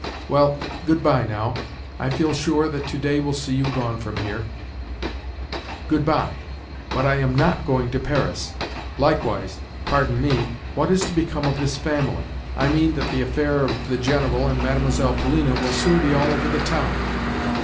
Well, good bye now. I feel sure that today will see you gone from here." "Good bye. But I am not going to Paris. Likewise—pardon me—what is to become of this family? I mean that the affair of the General and Mlle. Polina will soon be all over the town."